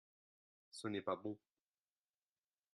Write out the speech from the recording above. ce n'est pas bon.